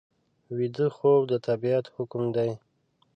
ویده خوب د طبیعت حکم دی